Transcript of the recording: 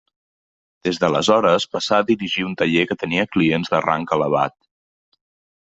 Des d'aleshores, passà a dirigir un taller que tenia clients de rang elevat.